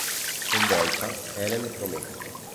Sconvolta, Helene promette.